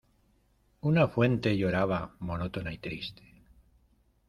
una fuente lloraba monótona y triste.